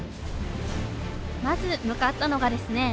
まず向かったのがですね